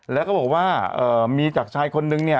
แล้วก็บอกว่ามีจากชายคนนึงเนี่ย